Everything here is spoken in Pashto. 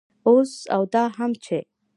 او دا هم چې